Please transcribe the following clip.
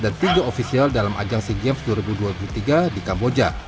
tiga ofisial dalam ajang sea games dua ribu dua puluh tiga di kamboja